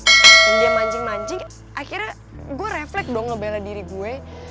dan dia mancing mancing akhirnya gua reflek dong ngebelah diri gue